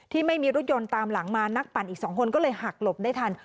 ไม่มีรถยนต์ตามหลังมานักปั่นอีก๒คนก็เลยหักหลบได้ทัน